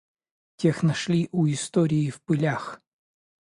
Тех нашли у истории в пылях.